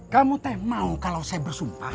kamu teh mau kalau saya bersumpah